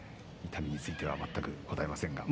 痛みについては全く答えません。